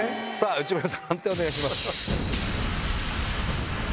内村さん判定お願いします。